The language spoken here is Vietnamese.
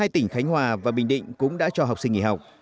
hai tỉnh khánh hòa và bình định cũng đã cho học sinh nghỉ học